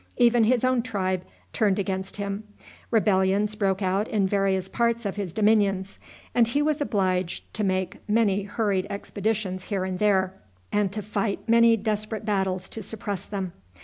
Even his own tribe turned against him. Rebellions broke out in various parts of his dominions; and he was obliged to make many hurried expeditions here and there, and to fight many desperate battles to suppress them.